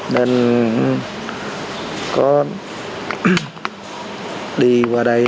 nên có đi qua đây